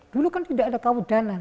dulu kan tidak ada tawedanan